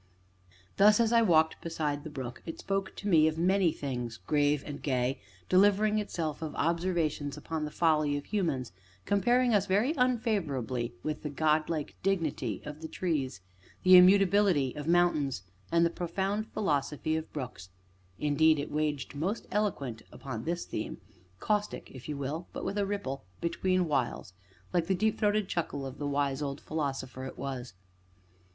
Thus, as I walked beside the brook, it spoke to me of many things, grave and gay, delivering itself of observations upon the folly of Humans, comparing us very unfavorably with the godlike dignity of trees, the immutability of mountains, and the profound philosophy of brooks. Indeed it waxed most eloquent upon this theme, caustic, if you will, but with a ripple, between whiles, like the deep throated chuckle of the wise old philosopher it was.